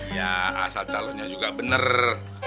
iya asal calonnya juga bener